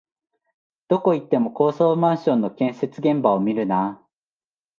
どこ行っても高層マンションの建設現場を見るなあ